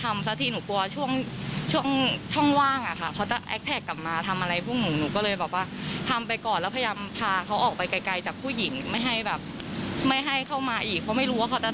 มันก็ต้องเข้าไปช่วยเหลือ